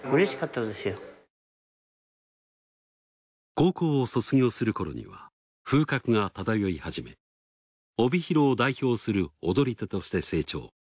高校を卒業する頃には風格が漂いはじめ帯広を代表する踊り手として成長。